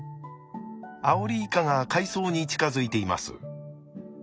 アオリイカが海藻に近づいています。